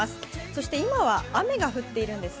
そして今は雨が降っているんです。